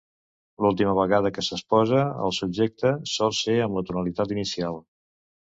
L'última vegada que s'exposa el subjecte sol ser amb la tonalitat inicial.